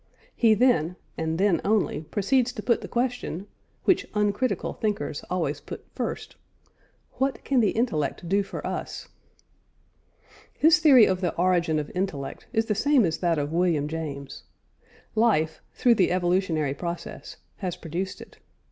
He then, and then only, proceeds to put the question (which uncritical thinkers always put first), What can the intellect do for us? His theory of the origin of intellect is the same as that of William James. Life (through the evolutionary process) has produced it.